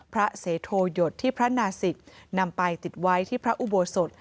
พระเสโทหยดที่พระนาศิกนำไปติดไว้ที่พระอุโบสถ